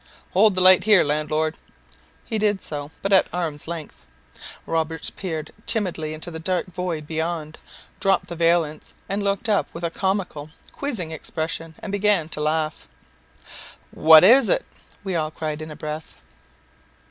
"Hold the light here, landlord." He did so, but at arm's length. Roberts peeped timidly into the dark void beyond, dropped the valance, and looked up with a comical, quizzing expression, and began to laugh. "What is it?" we all cried in a breath.